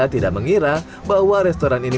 tidak mengira bahwa restoran ini